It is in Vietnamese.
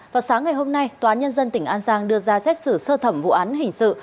vào sáng ngày hôm nay tòa nhân dân tỉnh an giang đưa ra xét xử sơ thẩm vụ án hình sự